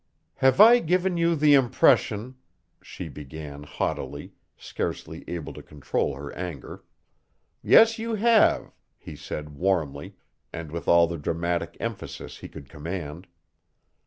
"Have I given you the impression" she began, haughtily, scarcely able to control her anger. "Yes, you have," he said warmly, and with all the dramatic emphasis he could command.